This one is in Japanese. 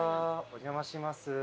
お邪魔します。